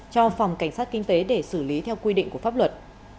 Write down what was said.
cho phòng cảnh sát kinh tế để xử lý theo quy định của pháp luật